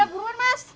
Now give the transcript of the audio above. budak buruan mas